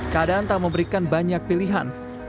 kadanta memberikan banyak pilihan